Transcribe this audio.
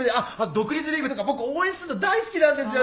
独立リーグとか僕応援すんの大好きなんですよ。